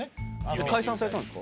解散されたんですか？